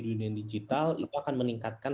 dunia digital itu akan meningkatkan